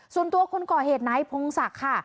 ส่วนตัวคนก่อเหตุนายพงศักดิ์ค่ะ